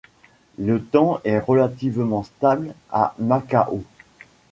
Le temps est relativement stable à Macao.